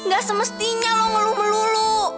ga semestinya lo ngeluh meluh lo